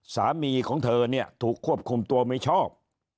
สามีของเธอเนี่ยถูกควบคุมตัวไม่ชอบ